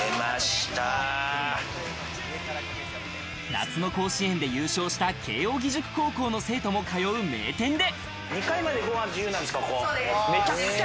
夏の甲子園で優勝した慶應義塾高校の生徒も通う名店で。